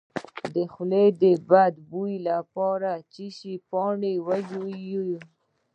د خولې د بد بوی لپاره د څه شي پاڼې وژويئ؟